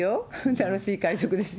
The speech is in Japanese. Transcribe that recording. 楽しい会食ですよ。